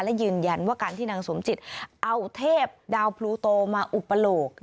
และยืนยันว่าการที่นางสมจิตเอาเทพดาวพลูโตมาอุปโลก